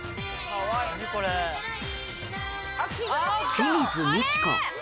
清水ミチコ。